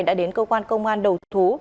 đã đến cơ quan công an đầu thú